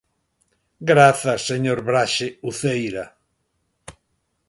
Grazas, señor Braxe Uceira.